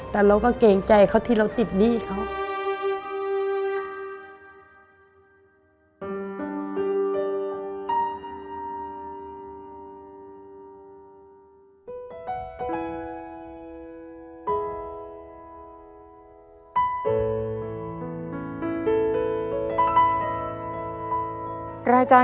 แต่เราก็เกรงใจเขาที่เราติดหนี้เขา